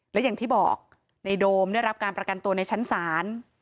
และอย่างที่บอกในโดมได้รับการประกันตัวในชั้นศาล